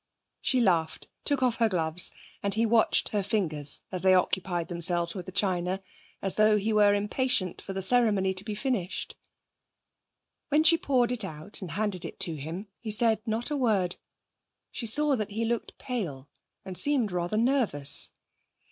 She laughed, took off her gloves, and he watched her fingers as they occupied themselves with the china, as though he were impatient for the ceremony to be finished. While she poured it out and handed it to him he said not a word. She saw that he looked pale and seemed rather nervous.